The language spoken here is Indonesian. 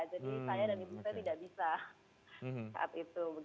jadi saya dan ibu saya tidak bisa saat itu